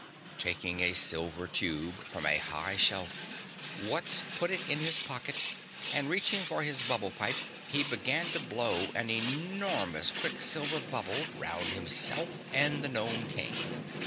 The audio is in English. Taking a silver tube from a high shelf, Wutz put it in his pocket and reaching for his bubble pipe, he began to blow an enormous quicksilver bubble round himself and the Gnome King.